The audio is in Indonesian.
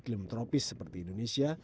iklim tropis seperti indonesia